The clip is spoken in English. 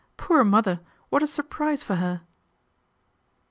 Poor Mother what a surprise for her